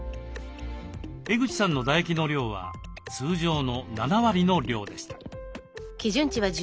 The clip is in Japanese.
江口さんの唾液の量は通常の７割の量でした。